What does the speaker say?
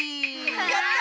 やった！